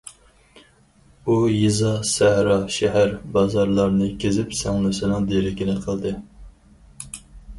ئۇ يېزا- سەھرا، شەھەر- بازارلارنى كېزىپ سىڭلىسىنىڭ دېرىكىنى قىلدى.